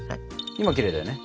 今きれいだよね？